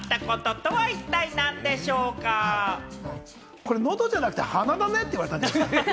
これ、喉じゃなくて鼻だねって言われたんじゃない？